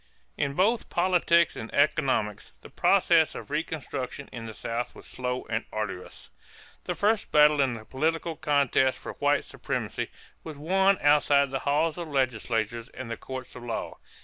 = In both politics and economics, the process of reconstruction in the South was slow and arduous. The first battle in the political contest for white supremacy was won outside the halls of legislatures and the courts of law.